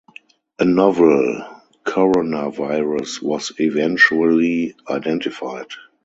A novel coronavirus was eventually identified.